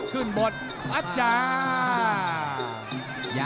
ขึ้นบทอาจารย์